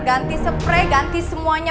ganti sepre ganti semuanya